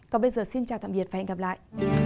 còn bây giờ xin chào tạm biệt và hẹn gặp lại